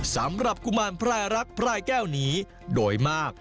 สำหรับกุมารพรายรักพรายแก้วหนีโดยมาก